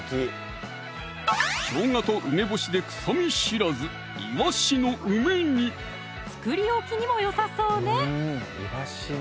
しょうがと梅干しで臭み知らず作り置きにもよさそうね！